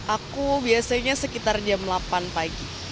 aku biasanya sekitar jam delapan pagi